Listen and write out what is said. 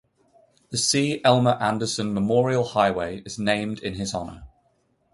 The C. Elmer Anderson Memorial Highway is named in his honor.